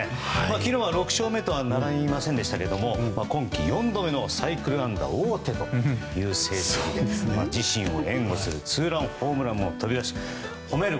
昨日は６勝目とはなりませんでしたが今季４度目のサイクル安打王手という成績で、自身を援護するツーランホームランも飛び出しほめる